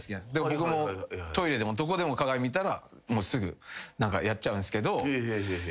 僕もトイレでもどこでも鏡見たらすぐやっちゃうんすけど。